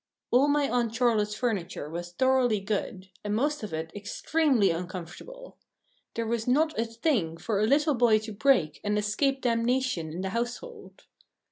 All my Aunt Charlotte's furniture was thoroughly good, and most of it extremely uncomfortable; there was not a thing for a little boy to break and escape damnation in the household.